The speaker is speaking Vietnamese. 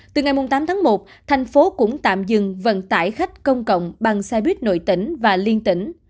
từ ngày tám tháng một thành phố cũng tạm dừng vận tải khách công cộng bằng xe buýt nội tỉnh và liên tỉnh